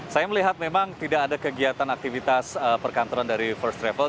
saya melihat memang tidak ada kegiatan aktivitas perkantoran dari first travel